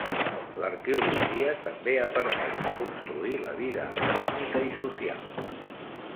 L'arqueologia també ha permès reconstruir la vida econòmica i social.